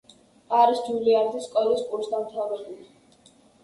არის ჯულიარდის სკოლის კურსდამთავრებული.